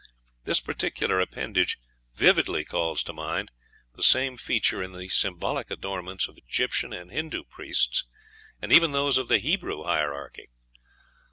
This particular appendage vividly calls to mind the same feature in the symbolic adornments of Egyptian and Hindoo priests, and even those of the Hebrew hierarchy."